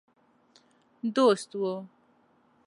دوست وو.